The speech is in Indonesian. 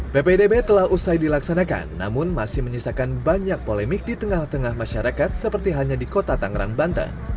ppdb telah usai dilaksanakan namun masih menyisakan banyak polemik di tengah tengah masyarakat seperti hanya di kota tangerang banten